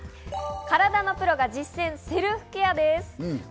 体のプロが実践、セルフケアです。